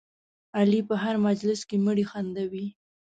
علي په هر مجلس کې مړي خندوي.